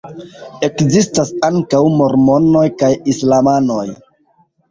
Ekzistas ankaŭ mormonoj kaj islamanoj.